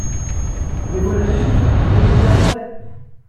Mais voilà la nuit, je me perdrai.